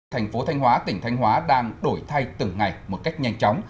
thành phố thanh hóa tỉnh thanh hóa đang đổi thay từng ngày một cách nhanh chóng